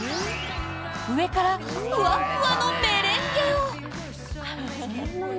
上からふわっふわのメレンゲを！